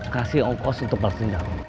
kasih ongkos untuk balas dendam